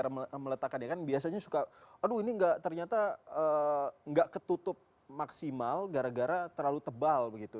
cara meletakannya kan biasanya suka aduh ini gak ternyata gak ketutup maksimal gara gara terlalu tebal gitu